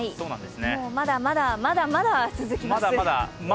まだまだ、まだまだ続きます。